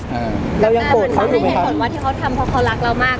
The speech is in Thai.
มันไม่เห็นผลมาที่เขาทำเพราะเขารักเรามาก